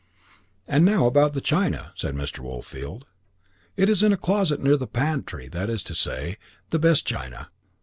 "] "And now about the china," said Mr. Woolfield. "It is in a closet near the pantry that is to say, the best china.